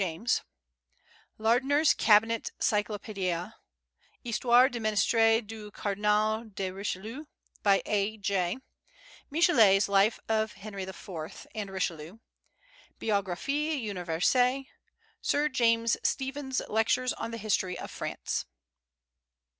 James; Lardner's Cabinet Cyclopaedia; Histoire du Ministère du Cardinal de Richelieu, by A. Jay; Michelet's Life of Henry IV. and Richelieu; Biographie Universelle; Sir James Stephen's Lectures on the History of France.